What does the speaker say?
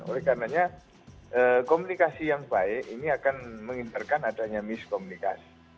oleh karenanya komunikasi yang baik ini akan mengintarkan adanya miskomunikasi